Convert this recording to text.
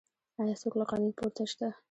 آیا څوک له قانون پورته شته؟